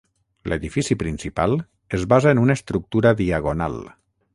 L'edifici principal es basa en una estructura diagonal.